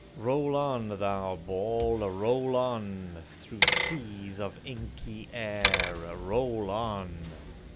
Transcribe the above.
Roll on, thou ball, roll on! Through seas of inky air Roll on!